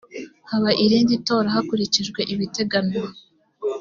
haba irindi tora hakurikijwe ibiteganywa